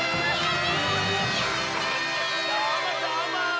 どーもどーも！